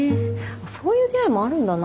そういう出会いもあるんだな。